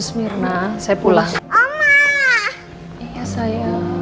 l per administrasi dah selesai